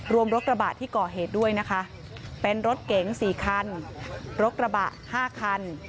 รถกระบะที่ก่อเหตุด้วยนะคะเป็นรถเก๋ง๔คันรถกระบะ๕คัน